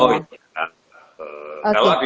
oh iya benar